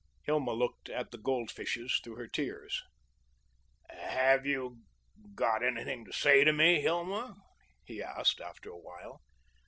Hilma looked at the goldfishes through her tears. "Have you got anything to say to me, Hilma?" he asked, after a while.